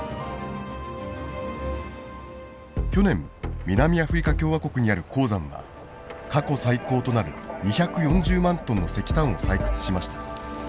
去年南アフリカ共和国にある鉱山は過去最高となる２４０万トンの石炭を採掘しました。